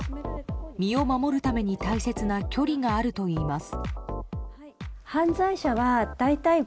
身を守るために大切な距離があるといいます。